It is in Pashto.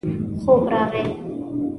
خوب راغی.